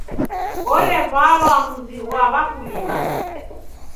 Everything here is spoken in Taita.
Orevalwa mzi ghwa w'akulima.